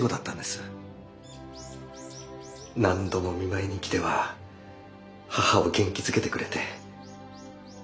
何度も見舞いに来ては母を元気づけてくれて。